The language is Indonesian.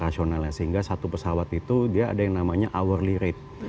sehingga satu pesawat itu dia ada yang namanya hourly rate